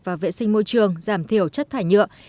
và vệ sinh môi trường giảm thiểu chất thải nhựa